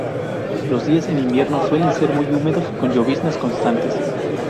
Los días en invierno suelen ser muy húmedos, con lloviznas constantes.